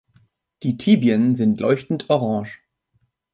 Die Tibien sind leuchtend orange.